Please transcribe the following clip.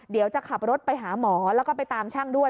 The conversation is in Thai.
เดี๋ยวจะขับรถไปหาหมอแล้วก็ไปตามช่างด้วย